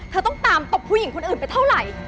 ต้องตามตบผู้หญิงคนอื่นไปเท่าไหร่